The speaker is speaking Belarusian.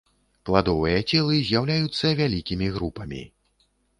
Пладовыя целы з'яўляюцца вялікімі групамі.